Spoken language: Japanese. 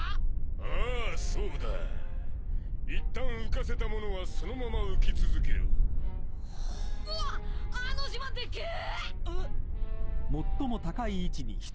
ああそうだいったん浮かせたモノはそのまま浮き続けるうおっあの島でけぇ！